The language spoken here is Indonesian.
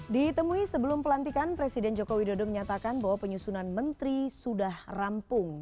ditemui sebelum pelantikan presiden joko widodo menyatakan bahwa penyusunan menteri sudah rampung